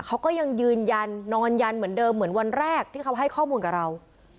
เขาก็ยังยืนยันนอนยันเหมือนเดิมเหมือนวันแรกที่เขาให้ข้อมูลกับเรา